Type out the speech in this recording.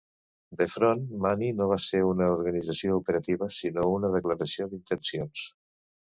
The Front mani no va ser una organització operativa, sinó una declaració d'intencions.